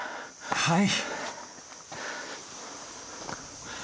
はい。